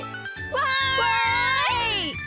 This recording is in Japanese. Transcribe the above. わい！